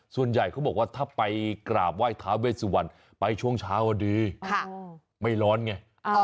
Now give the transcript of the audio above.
ส่วนใหญ่เขาบอกว่าถ้าไปกราบไหว้ท้าเวสวันไปช่วงเช้าดีไม่ร้อนไง